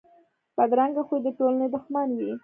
بدرنګه خوی د ټولنې دښمن وي